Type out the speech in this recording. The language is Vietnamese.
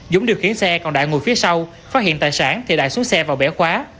dũng điều khiến xe còn đại ngồi phía sau phát hiện tài sản thì đại xuống xe vào bẻ khóa